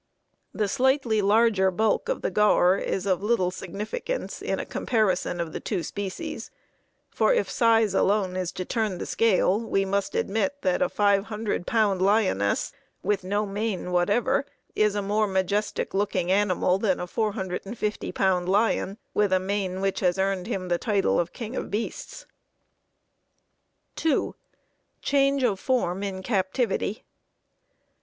The slightly larger bulk of the gaur is of little significance in a comparison of the two species; for if size alone is to turn the scale, we must admit that a 500 pound lioness, with no mane whatever, is a more majestic looking animal than a 450 pound lion, with a mane which has earned him his title of king of beasts. 2. _Change of form in captivity.